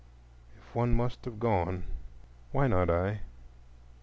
If one must have gone, why not I?